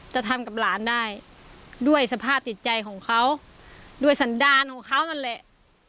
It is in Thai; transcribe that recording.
จะทำกับหลานได้ด้วยสภาพจิตใจของเขาด้วยสันดารของเขานั่นแหละ